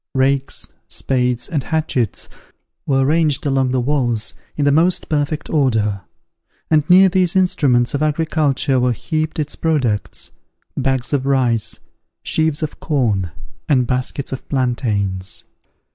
Rakes, spades, and hatchets, were ranged along the walls in the most perfect order; and near these instruments of agriculture were heaped its products, bags of rice, sheaves of corn, and baskets of plantains.